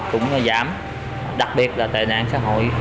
cũng giảm đặc biệt là tệ nạn xã hội